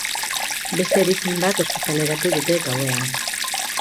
Beste erizain bat ospitaleratu dute gauean.